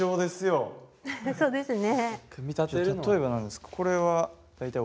そうですね。